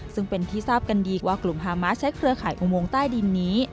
ซึ่งเป็นที่ทราบกันดีว่ากลุ่มฮามาสใช้เครือข่ายอุโมงใต้ดินนี้